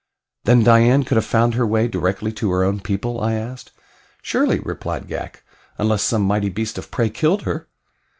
"Then Dian could have found her way directly to her own people?" I asked. "Surely," replied Ghak, "unless some mighty beast of prey killed her."